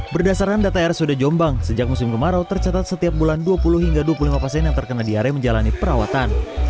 berdasarkan data rsud jombang sejak musim kemarau tercatat setiap bulan dua puluh hingga dua puluh lima pasien yang terkena diare menjalani perawatan